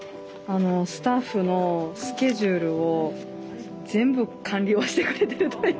スタッフのスケジュールを全部管理をしてくれてるという。